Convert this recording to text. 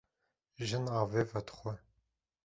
Jin avê vedixwe.